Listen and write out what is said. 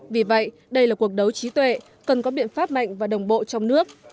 vì vậy đây là cuộc đấu trí tuệ cần có biện pháp mạnh và đồng bộ trong nước